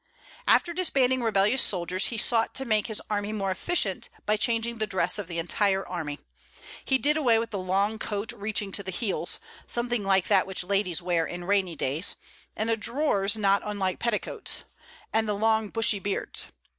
After disbanding rebellious soldiers, he sought to make his army more efficient by changing the dress of the entire army. He did away with the long coat reaching to the heels, something like that which ladies wear in rainy days; and the drawers not unlike petticoats; and the long, bushy beards.